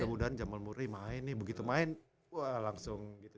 mudah mudahan jamul muri main nih begitu main wah langsung gitu